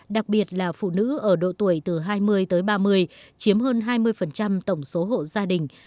đặc biệt là phụ nữ ở độ tuổi từ hai mươi tới ba mươi chiếm hơn hai mươi tổng số hộ gia đình